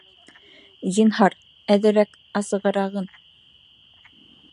Зинһар, әҙерәк асығы-рағын